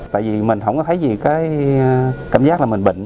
tại vì mình không có thấy gì cái cảm giác là mình bệnh